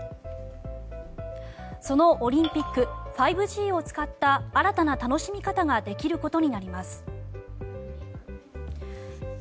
そのオリンピック５Ｇを使った新たな楽しみ方ができることになります。